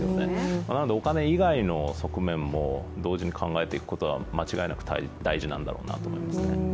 なのでお金以外の側面も同時に考えていくことが間違いなく大事なんだろうと思いますね。